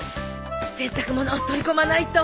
洗濯物取り込まないと